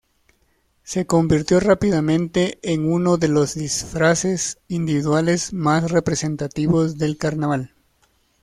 Se convirtió rápidamente en uno de los disfraces individuales más representativos del carnaval.